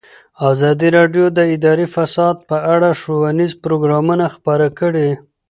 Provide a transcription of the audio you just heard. ازادي راډیو د اداري فساد په اړه ښوونیز پروګرامونه خپاره کړي.